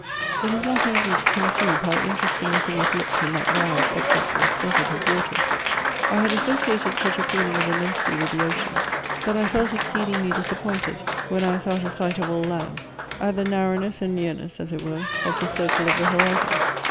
It is not easy to conceive, how interesting a thing it looked in that round objectless desert of waters. I had associated such a feeling of immensity with the ocean, that I felt exceedingly disappointed, when I was out of sight of all land, at the narrowness and nearness, as it were, of the circle of the horizon.